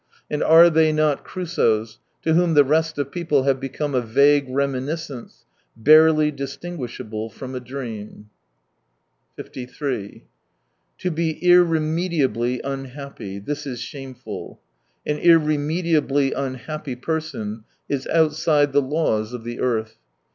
And are they not Crusoes, to whom the rest of people have become a vague reminiscence, barely dis tinguishable from a dream ?,...^.„_.. shameful. An irremediably unhappy person is outside the laws of the earth.